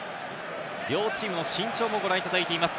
両チームの身長もご覧いただいています。